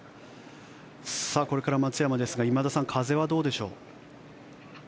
これから松山ですが今田さん風はどうでしょう。